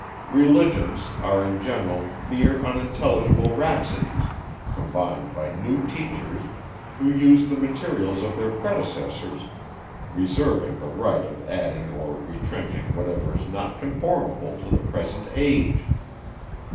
Religions are in general mere unintelligible rhapsodies, combined by new teachers, who use the materials of their predecessors, reserving the right of adding or retrenching whatever is not conformable to the present age.